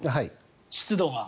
湿度が。